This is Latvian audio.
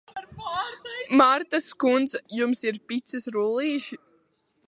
Martas kundze, jums ir picas rullīši?